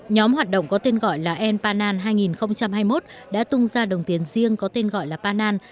nhóm hoạt động có tên gọi là en panan hai nghìn hai mươi một đã tung ra đồng tiền riêng có tên gọi là panan